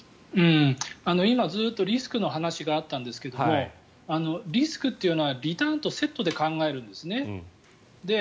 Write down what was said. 今ずっとリスクの話があったんですけどリスクっていうのはリターンとセットで考えるんですね。